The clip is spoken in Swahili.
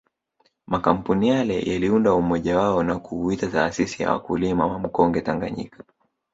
Makampuni yale yaliunda umoja wao na kuuita taasisi ya wakulima wa mkonge Tanganyika